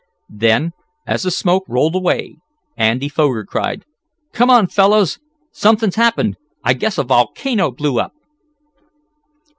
Then, as the smoke rolled away, Andy Foger cried: "Come on, fellows! Something's happened. I guess a volcano blew up!"